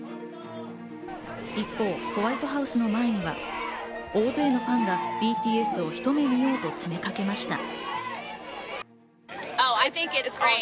一方、ホワイトハウスの前には大勢のファンがＢＴＳをひと目見ようと詰めかけました。